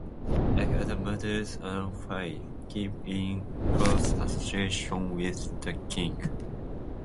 Donnchad, like other Mormaers of Fife, kept in close association with the king.